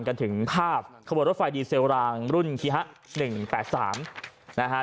กันถึงภาพขบรถไฟดีเซลลางรุ่นคีฮะ๑๘๓